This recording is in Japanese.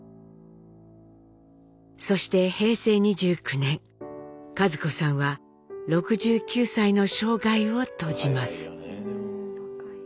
そして平成２９年一子さんは６９歳の生涯を閉じます。